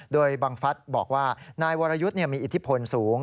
โดยบังฟัสบอกว่านายวรยุทธ์มีอิทธิพลสูง